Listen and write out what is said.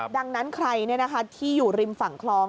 ดังนั้นใครที่อยู่ริมฝั่งคลอง